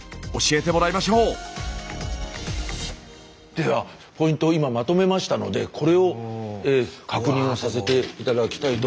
ではポイントを今まとめましたのでこれを確認をさせて頂きたいと思います。